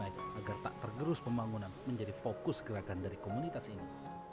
dan menjaga keinginan sungai agar tak tergerus pembangunan menjadi fokus gerakan dari komunitas ini